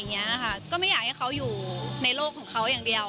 ก็ไม่อยากให้เขาอยู่ในโลกของเขาอย่างเดียว